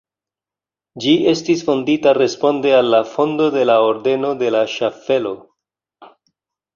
Ĝi estis fondita responde al la fondo de la ordeno de la ŝaffelo.